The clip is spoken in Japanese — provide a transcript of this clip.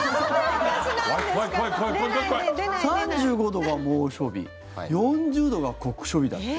３５度が猛暑日４０度が酷暑日だって。